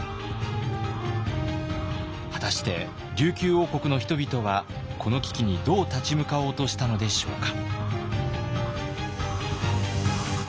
果たして琉球王国の人々はこの危機にどう立ち向かおうとしたのでしょうか。